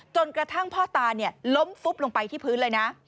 จนกระทั่งพ่อตาล้มฟุบลงไปที่พื้นเลยนะ